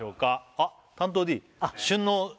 あっ担当Ｄ